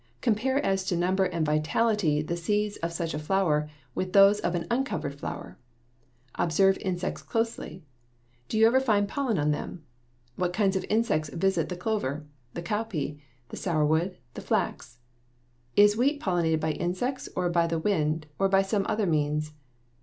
Compare as to number and vitality the seeds of such a flower with those of an uncovered flower. Observe insects closely. Do you ever find pollen on them? What kinds of insects visit the clover? the cowpea? the sourwood? the flax? Is wheat pollinated by insects or by the wind or by some other means?